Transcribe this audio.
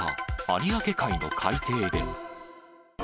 有明海の海底で。